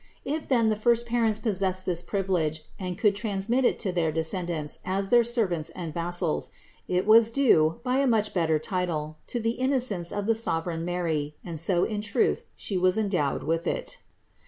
If then the first parents possessed this priv ilege and could transmit it to their descendants as their servants and vassals, it was due, by a much better title, to the innocence of the sovereign Mary; and so in truth was She endowed with it.